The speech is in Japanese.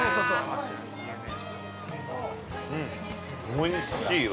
おいしいわ。